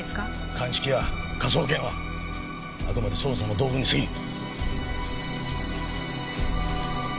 鑑識や科捜研はあくまで捜査の道具に過ぎん。